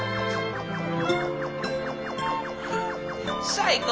最高！